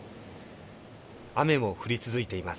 雨も降り続いています。